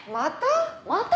また？